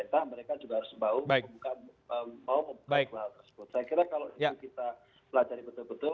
saya kira kalau itu kita pelajari betul betul